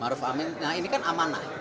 maruf amin nah ini kan amanah